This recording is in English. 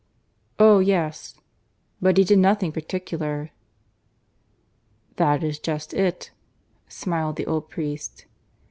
"Oh yes ... but he did nothing particular." "That is just it," smiled the old priest.